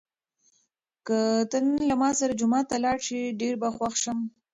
که ته نن له ما سره جومات ته لاړ شې، ډېر به خوښ شم.